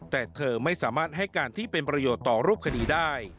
แต่เธอไม่สามารถให้การที่เป็นประโยชน์ต่อรูปคดีได้